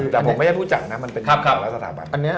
แต่ผมไม่ได้พูดจังนะเป็นรัฐสถาบัน